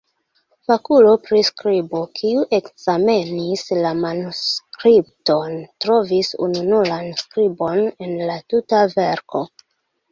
Fakulo pri skribo, kiu ekzamenis la manuskripton, trovis ununuran skribon en la tuta verko.